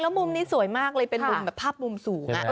แล้วมุมนี้สวยมากเลยเป็นภาพมุมสูง